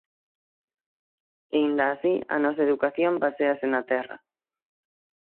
E aínda así, a nosa educación baséase na terra.